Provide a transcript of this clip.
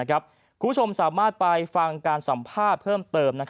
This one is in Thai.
คุณผู้ชมสามารถไปฟังการสัมภาษณ์เพิ่มเติม